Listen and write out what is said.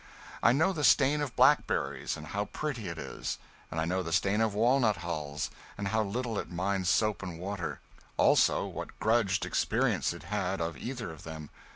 I know the stain of blackberries, and how pretty it is; and I know the stain of walnut hulls, and how little it minds soap and water; also what grudged experience it had of either of them.